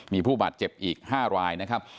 มีผู้บาดเจ็บอีก๕รายนะครับ